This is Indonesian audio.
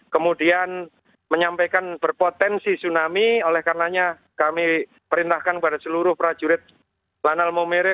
kemudian menyampaikan berpotensi tsunami oleh karenanya kami perintahkan kepada seluruh prajurit lanal momere